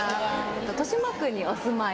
豊島区に、お住まい。